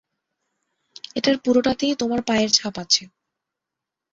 এটার পুরোটাতেই তোমার পায়ের ছাপ আছে।